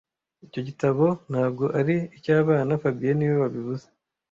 Icyo gitabo ntabwo ari icy'abana fabien niwe wabivuze